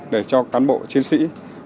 để cho cán bộ chiến sĩ